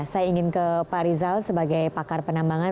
saya ingin ke pak rizal sebagai pakar penambangan